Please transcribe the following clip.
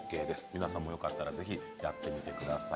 皆さんもよかったらぜひやってみてください。